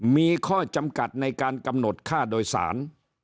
มีข้อจำกัดในการกำหนดค่าโดยสาร